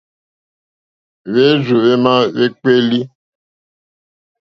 Hwérzù hwémá hwékpélí.